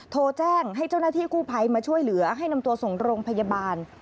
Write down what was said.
โทรแจ้งให้เจ้าหน้าที่กู้ภัยมาช่วยเหลือให้นำตัวส่งโรงพยาบาล